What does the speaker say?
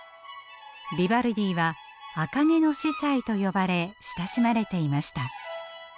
ヴィヴァルディは赤毛の司祭と呼ばれ親しまれていました。